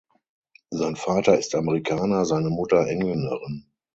Sein Vater ist Amerikaner, seine Mutter Engländerin.